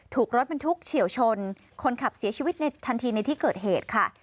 ถูกรถบรรทุกเฉียวชนคนขับเสียชีวิตในทันทีในที่เกิดเหตุค่ะ